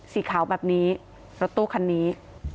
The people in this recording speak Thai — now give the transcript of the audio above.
สีขาวแบบนี้รถตู้คันนี้